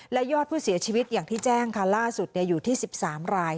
และยอดผู้เสียชีวิตอย่างที่แจ้งค่ะล่าสุดอยู่ที่๑๓ราย